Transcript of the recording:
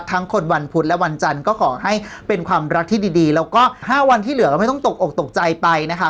คนวันพุธและวันจันทร์ก็ขอให้เป็นความรักที่ดีแล้วก็๕วันที่เหลือก็ไม่ต้องตกอกตกใจไปนะคะ